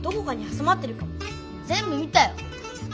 ぜんぶ見たよ。